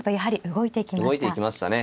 動いていきましたね。